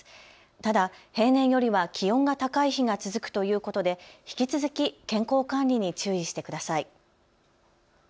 ただ平年よりは気温が高い日が続くということで引き続き健康管理に注意してください。